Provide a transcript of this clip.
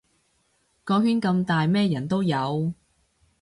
個圈咁大咩人都有